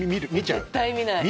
絶対見ない。